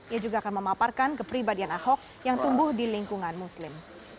ia juga akan memaparkan kepribadian ahok yang tumbuh di lingkungan muslim